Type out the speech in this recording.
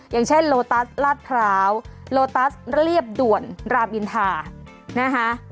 อย่างเช่นโลตัสลาดพร้าวโลตัสเรียบด่วนรามอินทานะคะ